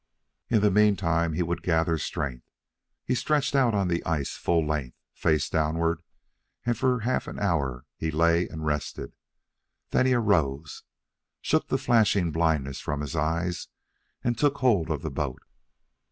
In the meantime, he would gather strength. He stretched out on the ice full length, face downward, and for half an hour he lay and rested. Then he arose, shook the flashing blindness from his eyes, and took hold of the boat.